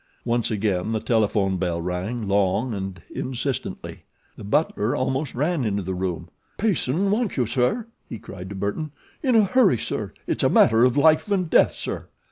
Once again the telephone bell rang, long and insistently. The butler almost ran into the room. "Payson wants you, sir," he cried to Burton, "in a hurry, sir, it's a matter of life and death, sir!"